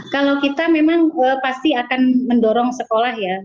kalau kita memang pasti akan mendorong sekolah ya